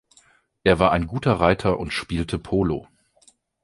Er war ein guter Reiter und spielte Polo.